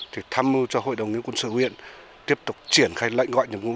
thì tham mưu cho hội đồng nguyên quân sự huyện tiếp tục triển khai lệnh gọi nhập ngũ